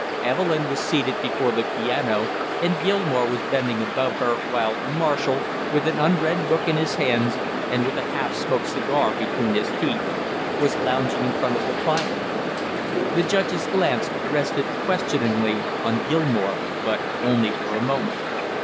Evelyn was seated before the piano and Gilmore was bending above her, while Marshall, with an unread book in his hands and with a half smoked cigar between his teeth, was lounging in front of the fire. The judge's glance rested questioningly on Gilmore, but only for a moment.